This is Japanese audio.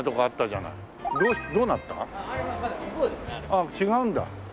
あっ違うんだ。